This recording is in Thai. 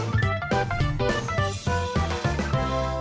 ออกกำลังกายยามเช้าฮิมนาสติกแบบนี้